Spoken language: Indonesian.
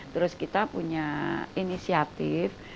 terus kita punya inisiatif